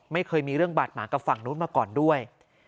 ไม่เคยมีเรื่องบาดหมางกับฝั่งนู้นมาก่อนด้วย